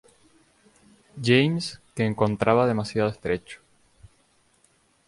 James, que encontraba demasiado estrecho.